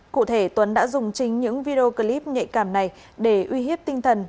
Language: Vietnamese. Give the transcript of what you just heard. cụ thể tuấn đã dùng chính những video clip nhạy cảm này để uy hiếp tinh thần